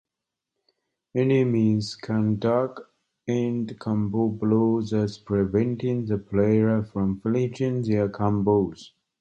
Enemies can duck end combo blows, thus preventing the player from finishing their combos.